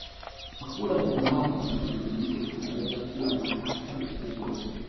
chakula cha mama mjamzito kinaweza kuwa na athari kubwa